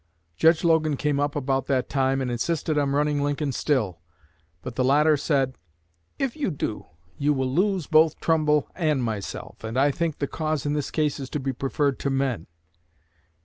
Judge Logan came up about that time, and insisted on running Lincoln still; but the latter said, 'If you do, you will lose both Trumbull and myself; and I think the cause in this case is to be preferred to men.'